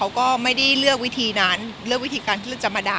การจ่ายเงินและอีกอย่างหนึ่งคลิปที่เขาโพสต์ประจานเรา